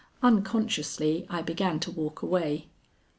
Unconsciously I began to walk away.